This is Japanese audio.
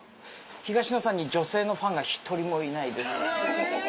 東野さんに女性のファンが１人もいないです。